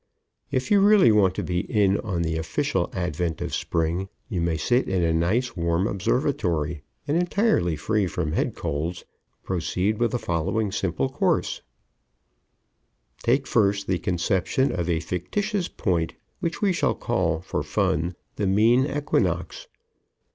If you really want to be in on the official advent of Spring, you may sit in a nice warm observatory and, entirely free from head colds, proceed with the following simple course: Take first the conception of a fictitious point which we shall call, for fun, the Mean Equinox.